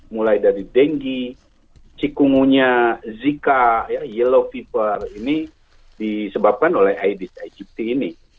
mulai dari dengi cikungunya zika yellow fever ini disebabkan oleh aedes aegypti ini